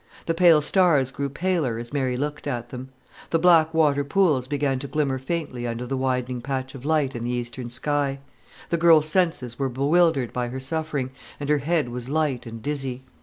The pale stars grew paler as Mary looked at them; the black water pools began to glimmer faintly under the widening patch of light in the eastern sky. The girl's senses were bewildered by her suffering, and her head was light and dizzy.